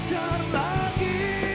cari pacar lagi